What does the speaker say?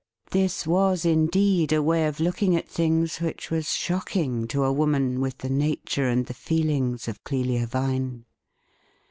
TTiis was indeed a way of looking at things which was shocking to a woman with the nature and the feelings of Clelia Vine.